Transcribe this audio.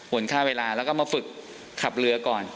ค่าเวลาแล้วก็มาฝึกขับเรือก่อน